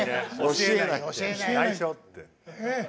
教えない、ないしょって。